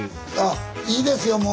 あいいですよ